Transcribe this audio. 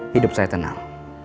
hidup saya tenang